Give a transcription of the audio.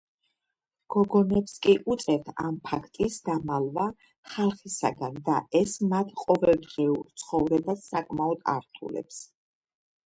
გოგონებს კი უწევთ ამ ფაქტის დამალვა ხალხისაგან და ეს მათ ყოველდღიურ ცხოვრებას საკმაოდ ართულებს.